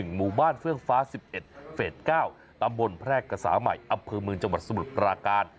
หมู่บ้านเฟื่องฟ้า๑๑เฟส๙ตำบลแพร่กษาใหม่อำเภอเมืองจังหวัดสมุทรปราการ